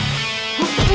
lo sudah bisa berhenti